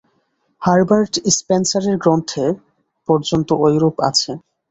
Herbert স্পেন্সারের গ্রন্থে পর্যন্ত ঐরূপ আছে।